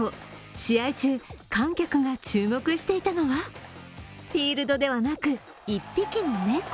試合中、観客が注目していたのはフィールドではなく１匹の猫。